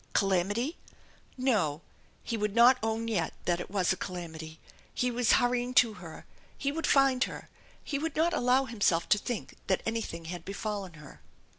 Calamity? No, he would not own yet that it was a calamity. He was hurrying to her! He would find her! He would not allow himself to think that anything had befallen her.